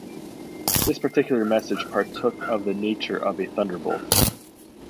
This particular message partook of the nature of a thunderbolt.